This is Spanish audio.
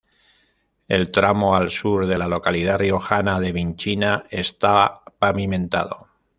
El tramo al sur de la localidad riojana de Vinchina está pavimentado.